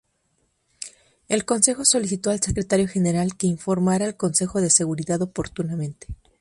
El Consejo solicitó al Secretario General que informara al Consejo de Seguridad oportunamente.